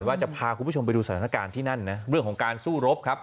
ว่าจะพาคุณผู้ชมไปดูสถานการณ์ที่นั่นนะเรื่องของการสู้รบครับ